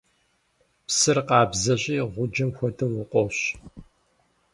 Псыр къабзэщи, гъуджэм хуэдэу, укъощ.